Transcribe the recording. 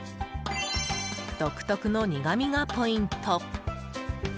独特の苦みがポイント。